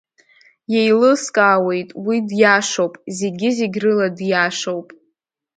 Иеилыскаауеит, уи диашоуп, зегьы-зегь рыла диашоуп.